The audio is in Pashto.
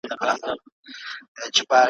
تر بچو پوري خواړه یې رسوله `